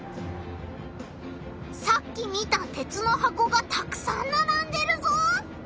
さっき見た鉄の箱がたくさんならんでるぞ！